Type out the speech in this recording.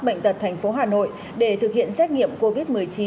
bệnh tật thành phố hà nội để thực hiện xét nghiệm covid một mươi chín